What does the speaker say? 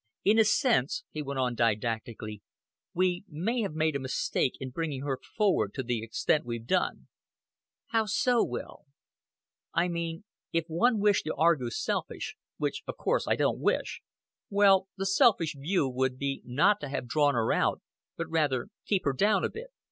"In a sense," he went on, didactically, "we may have made a mistake in bringing her forward to the extent we've done." "How so, Will?" "I mean, if one wished to argue selfish which of course I don't wish well, the selfish view would be not to have drawn her out but rather keep her down a bit."